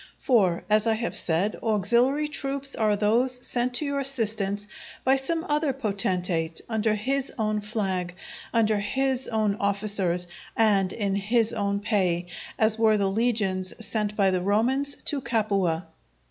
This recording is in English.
For, as I have said, auxiliary troops are those sent to your assistance by some other potentate, under his own flag, under his own officers, and in his own pay, as were the legions sent by the Romans to Capua.